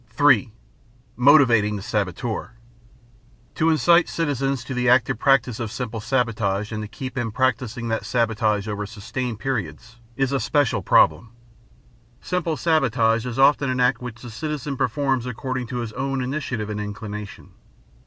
3. MOTIVATING THE SABOTEUR To incite the citizen to the active practice of simple sabotage and to keep him practicing that sabotage over sustained periods is a special problem. Simple sabotage is often an act which the citizen performs according to his own initiative and inclination.